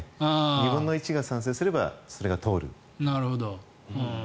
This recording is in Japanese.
２分の１が賛成すればそれが通る。